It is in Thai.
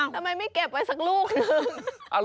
ทำไมไม่เก็บไว้สักลูกนึง